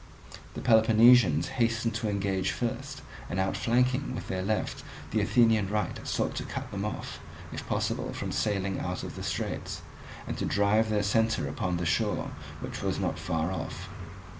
The Peloponnesians hastened to engage first, and outflanking with their left the Athenian right sought to cut them off, if possible, from sailing out of the straits, and to drive their centre upon the shore, which was not far off.